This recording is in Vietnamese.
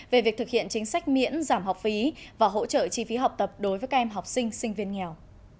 về việc thực hiện chính sách miễn giảm học phí và hỗ trợ chi phí học tập đối với các em học sinh sinh viên nghèo